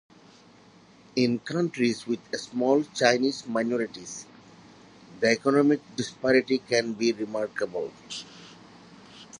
In countries with small Chinese minorities, the economic disparity can be remarkable.